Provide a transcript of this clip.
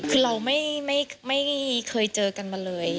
คือเราไม่เคยเจอกันมาเลย